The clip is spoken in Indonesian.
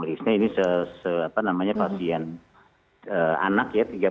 ini namanya pasien anak ya